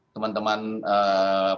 teman teman partai demokrat serta soekarno raw